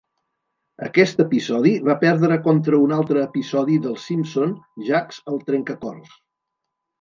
Aquest episodi va perdre contra un altre episodi d'"Els Simpson" "Jacques, el trencacors".